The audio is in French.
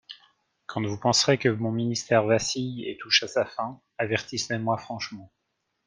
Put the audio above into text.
Quand vous penserez que mon ministère vacille et touche à sa fin, avertissez-moi franchement.